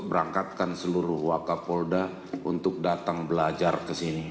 berangkatkan seluruh waka polda untuk datang belajar kesini